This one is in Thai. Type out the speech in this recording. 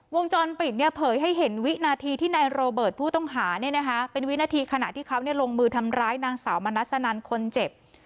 วงจรปิดเนี่ยเผยให้เห็นวินาทีที่นายโรเบิร์ตผู้ต้องหาเนี่ยนะคะเป็นวินาทีขณะที่เขาลงมือทำร้ายนางสาวมณัสนันคนเจ็บ